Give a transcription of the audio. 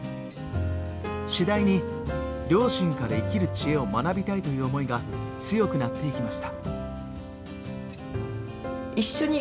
次第に両親から生きる知恵を学びたいという思いが強くなっていきました。